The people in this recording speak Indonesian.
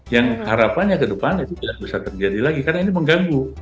yang harapannya ke depan itu tidak bisa terjadi lagi karena ini mengganggu